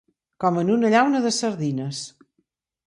Com en una llauna de sardines.